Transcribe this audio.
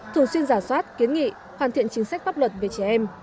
thường xuyên giả soát kiến nghị hoàn thiện chính sách pháp luật về trẻ em